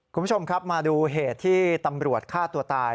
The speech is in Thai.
คุณผู้ชมครับมาดูเหตุที่ตำรวจฆ่าตัวตาย